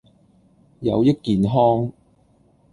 有益健康